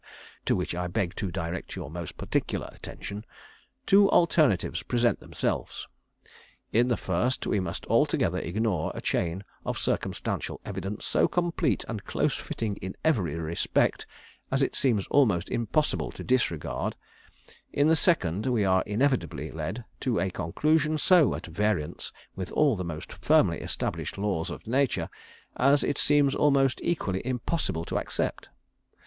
to which I beg to direct your most particular attention, two alternatives present themselves. In the first we must altogether ignore a chain of circumstantial evidence so complete and close fitting in every respect, as it seems almost impossible to disregard; in the second, we are inevitably led to a conclusion so at variance with all the most firmly established laws of nature, as it seems almost equally impossible to accept.